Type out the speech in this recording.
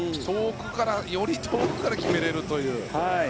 より遠くから決められるという。